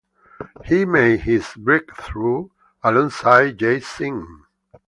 He made his breakthrough alongside Jay Sean.